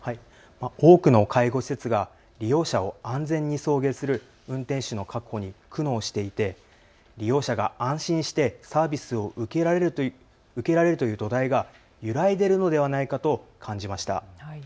多くの介護施設が利用者を安全に送迎する運転手の確保に苦悩していて利用者が安心してサービスを受けられるという土台が揺らいでいるのではないかと感じました。